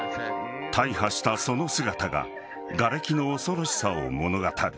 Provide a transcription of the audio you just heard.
大破したその姿ががれきの恐ろしさを物語る。